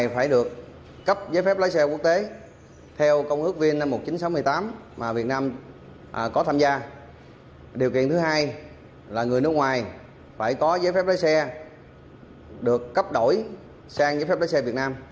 phải có giấy phép lái xe được cấp đổi sang giấy phép lái xe việt nam